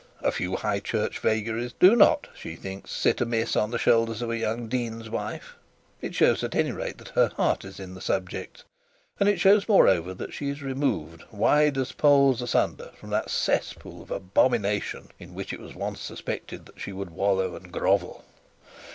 A few high church vagaries do not, she thinks, sit amiss on the shoulders of a young dean's wife. It shows at any rate that her heart is in the subject; and it shows moreover that she is removed, wide as the poles asunder, from the cesspool of abomination in which it was once suspected that she would wallow and grovel.